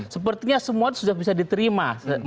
sepertinya semua sudah bisa diterima